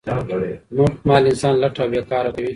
مفت مال انسان لټ او بې کاره کوي.